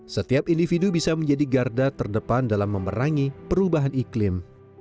setiap individu bisa menjadi garda terdepan dalam memerangi perubahan iklim